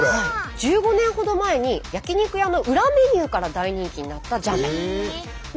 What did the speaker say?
１５年ほど前に焼き肉屋の裏メニューから大人気になったジャン麺。